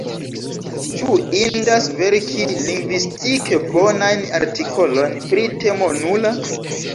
Ĉu indas verki lingvistike bonajn artikolojn pri temo nula?